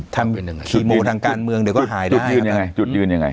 ถ้าฮีโมทังการเมืองเดี๋ยวก็หายได้จุดยืนยังไง